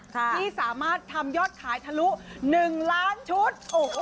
ที่สามารถทำยอดขายทะลุ๑ล้านชุด